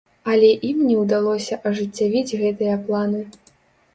Але ім не ўдалося ажыццявіць гэтыя планы.